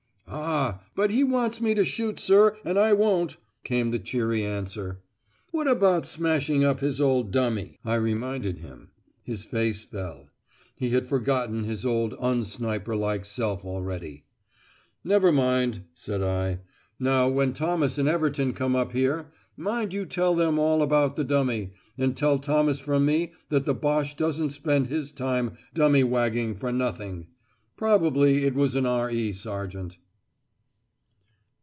"Ah, but he wants me to shoot, sir, and I won't," came the cheery answer. "What about smashing up his old dummy?" I reminded him. His face fell. He had forgotten his old un sniper like self already. "Never mind," said I. "Now when Thomas and Everton come up here, mind you tell them all about the dummy; and tell Thomas from me that the Boche doesn't spend his time dummy wagging for nothing. Probably it was an R.E. sergeant."